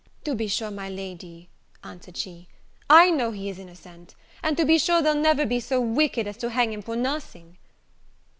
"To be sure, my Lady," answered she, "I know he is innocent; and to be sure they'll never be so wicked as to hang him for nothing?"